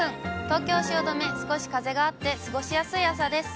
東京・汐留、少し風があって過ごしやすい朝です。